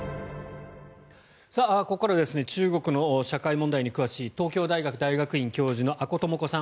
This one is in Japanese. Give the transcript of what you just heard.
ここからは中国の社会問題に詳しい東京大学大学院教授の阿古智子さん